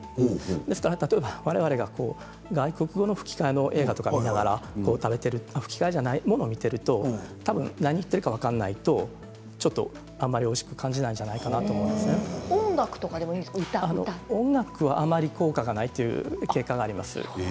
ですから、例えばわれわれが外国語の吹き替えの映画とか見ながら吹き替えじゃないものを見ているとたぶん何を言っているか分からないと、ちょっとあまりおいしく感じないんじゃ音楽とかでも音楽はあまり効果がないという結果があります。